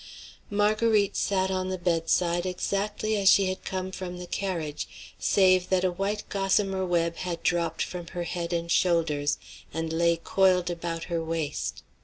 Marguerite sat on the bedside exactly as she had come from the carriage, save that a white gossamer web had dropped from her head and shoulders, and lay coiled about her waist.